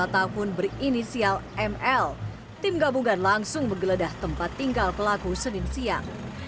lima tahun berinisial ml tim gabungan langsung menggeledah tempat tinggal pelaku senin siang